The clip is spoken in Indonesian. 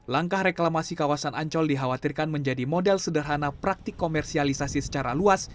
langkah reklamasi kawasan ancol dikhawatirkan menjadi model sederhana praktik komersialisasi secara luas